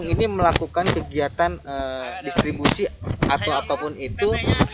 kami berdua melakukan kegiatan distribusi atau apapun itu